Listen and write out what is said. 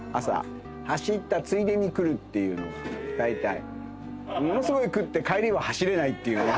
走ったついでに来るっていうのがだいたい。